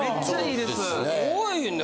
すごいね。